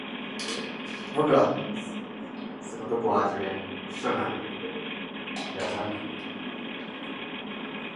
贝利茨是德国勃兰登堡州的一个市镇。